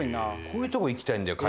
こういうとこ行きたいんだよ